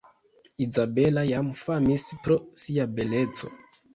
Izabela jam famis pro sia beleco.